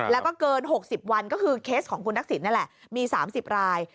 แล้วก็เกิน๖๐วันก็คือเคสของคุณทักษิณนี่แหละมี๓๐ราย